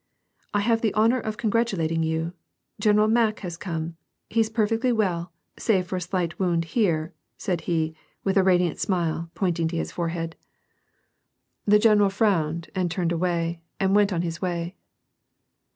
" I have the honor of congratulating you ! General Mack has come ; he's perfectly well, save for a slight wound here," said he, with a radiant smile, pointing to his forehead. 148 tlV*^ ^yi> PEACE, The general frowned, and horned away, — and went on his way.